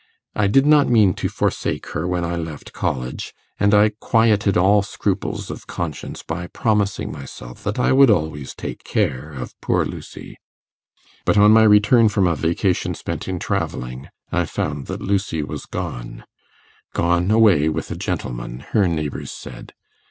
I did not mean to forsake her when I left college, and I quieted all scruples of conscience by promising myself that I would always take care of poor Lucy. But on my return from a vacation spent in travelling, I found that Lucy was gone gone away with a gentleman, her neighbours said.